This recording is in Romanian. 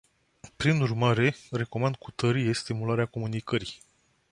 Prin urmare, recomand cu tărie stimularea comunicării.